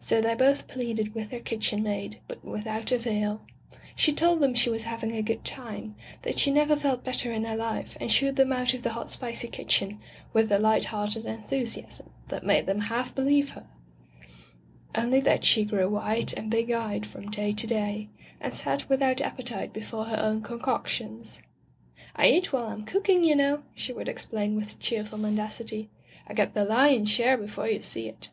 So they both pleaded with their kitchen maid, but without avail. She told them she was having a good time, that she never felt better in her life and shooed them out of the hot spicy kitchen with a light hearted en thusiasm that made them half believe her, — only that she grew white and big eyed from day to day, and sat without appetite before her own concoctions. "I eat while Fm cook ing, you know," she would explain with cheerful mendacity. "I get the lion's share before you see it."